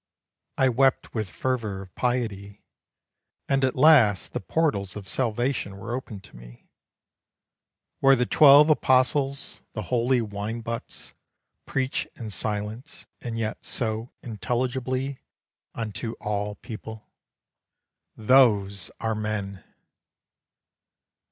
I wept with fervor of piety, and at last The portals of salvation were opened to me, Where the twelve Apostles, the holy wine butts, Preach in silence and yet so intelligibly Unto all people. Those are men!